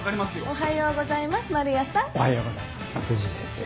おはようございます辻井先生。